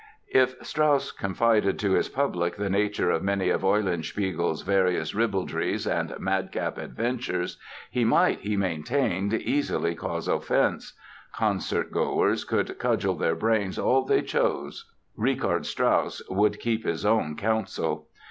If Strauss confided to his public the nature of many of Eulenspiegel's various ribaldries and madcap adventures he might, he maintained, easily cause offense. Concertgoers could cudgel their brains all they chose, Richard Strauss would keep his own counsel!